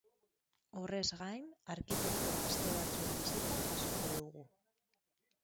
Horrez gain, arkitekto gazte batzuen bisita jasoko dugu.